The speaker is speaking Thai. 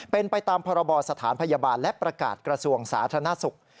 เป็นไปตามพรบสถานพยาบาลและประกาศกระทรวงสาธารณสุข